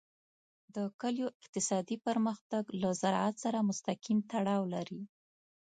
د کلیو اقتصادي پرمختګ له زراعت سره مستقیم تړاو لري.